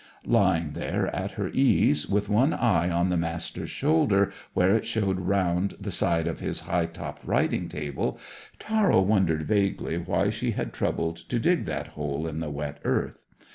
Lying there at her ease, with one eye on the Master's shoulder, where it showed round the side of his high topped writing table, Tara wondered vaguely why she had troubled to dig that hole in the wet earth.